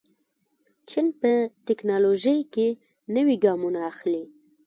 چین په تکنالوژۍ کې نوي ګامونه اخلي.